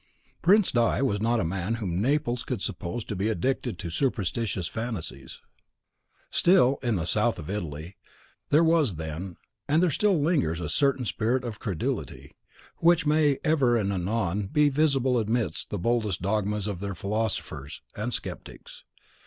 The Prince di was not a man whom Naples could suppose to be addicted to superstitious fancies. Still, in the South of Italy, there was then, and there still lingers a certain spirit of credulity, which may, ever and anon, be visible amidst the boldest dogmas of their philosophers and sceptics.